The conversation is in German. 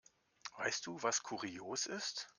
Weißt du, was kurios ist?